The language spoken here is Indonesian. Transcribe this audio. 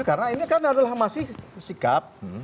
karena ini kan adalah masih sikap